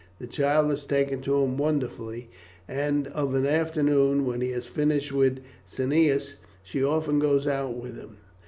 The child has taken to him wonderfully, and of an afternoon, when he has finished with Cneius, she often goes out with him.